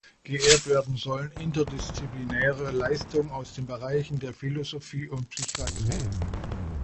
Geehrt werden sollen interdisziplinäre Leistungen aus den Bereichen der Philosophie und Psychiatrie.